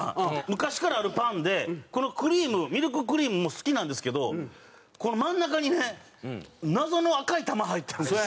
昔からあるパンでこのクリームミルククリームも好きなんですけどこの真ん中にね謎の赤い玉入ってるんですよ。